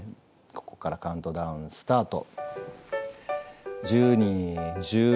ここからカウントダウンスタート。